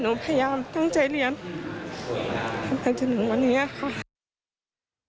จนถึงวันนี้ค่ะ